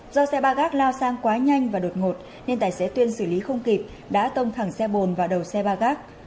do xe ba gác lao sang quá nhanh và đột ngột nên tài xế tuyên xử lý không kịp đã tông thẳng xe bồn vào đầu xe ba gác